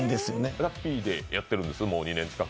ラッピーでやってるんです、もう２年近く。